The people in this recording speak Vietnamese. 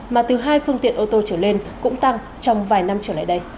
mà từ hai phương tiện ô tô trở lên cũng tăng trong vài năm trở lại đây